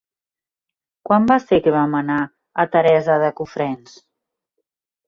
Quan va ser que vam anar a Teresa de Cofrents?